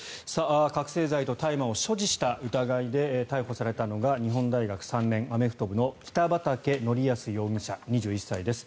覚醒剤と大麻を所持した疑いで逮捕されたのが日本大学３年、アメフト部の北畠成文容疑者、２１歳です。